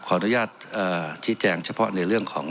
ขออนุญาตชี้แจงเฉพาะในเรื่องของ